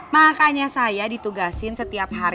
makanya saya ditugasin setiap hari